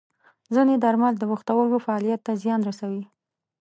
ځینې درمل د پښتورګو فعالیت ته زیان رسوي.